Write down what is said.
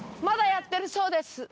まだやってるそうです。